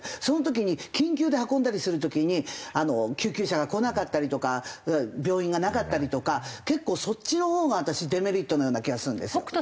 その時に緊急で運んだりする時に救急車が来なかったりとか病院がなかったりとか結構そっちの方が私デメリットのような気がするんですよ。